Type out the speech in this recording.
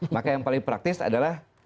maka yang paling praktis adalah